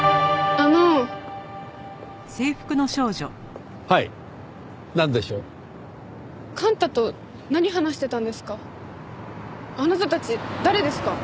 あなたたち誰ですか？